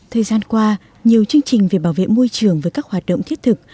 thời gian qua nhiều chương trình về bảo vệ môi trường với các hoạt động thiết thực